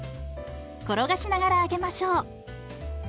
転がしながら揚げましょう。